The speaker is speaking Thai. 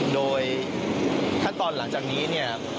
โดยถ้าตอนหลังจากนี้เนี่ย